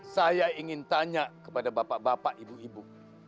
saya ingin tanya kepada bapak bapak ibu ibu